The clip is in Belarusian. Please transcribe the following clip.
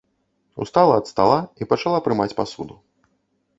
Устала ад стала і пачала прымаць пасуду.